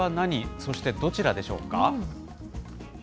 そしてどちらでしょうか。